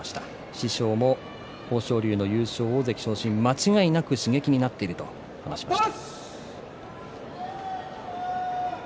師匠も豊昇龍への優勝、大関昇進間違いなく刺激になっているという話をしていました。